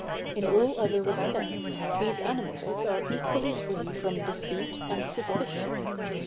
In all other respects, these animals are equally free from deceit and suspicion.